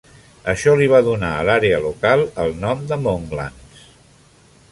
Això li va donar a l'àrea local el nom de Monklands.